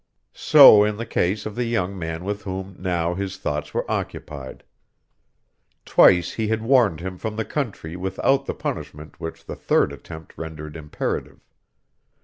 So in the case of the young man with whom now his thoughts were occupied. Twice he had warned him from the country without the punishment which the third attempt rendered imperative.